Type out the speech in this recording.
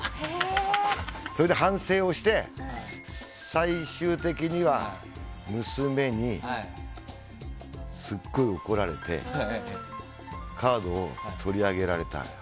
それで反省して最終的には、娘にすごい怒られてカードを取り上げられて。